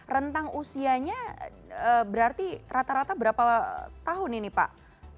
rentang usianya berarti rata rata berapa tahun ini pak